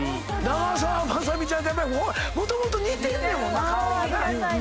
長澤まさみちゃんとやっぱりもともと似てんねやもんな顔がな。